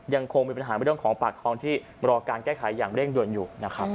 ยังคงมีปัญหาประดับผลาดท้องที่รอการแก้ไขอย่างเร่งยนต์อยู่